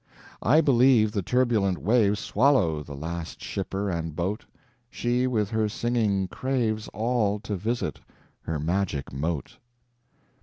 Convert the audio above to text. I believe the turbulent waves Swallow the last shipper and boat; She with her singing craves All to visit hermagic moat.